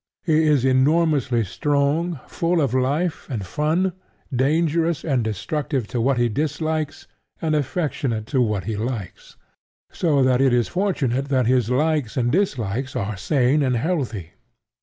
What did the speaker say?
He is enormously strong, full of life and fun, dangerous and destructive to what he dislikes, and affectionate to what he likes; so that it is fortunate that his likes and dislikes are sane and healthy.